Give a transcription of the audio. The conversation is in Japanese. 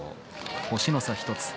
星の差１つ。